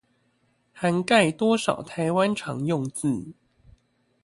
涵蓋多少台灣常用字